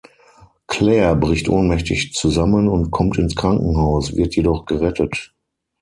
Claire bricht ohnmächtig zusammen und kommt ins Krankenhaus, wird jedoch gerettet.